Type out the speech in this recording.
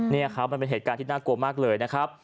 นี่ครับมันเป็นเหตุการณ์ที่น่ากลัวมากเลยนะครับ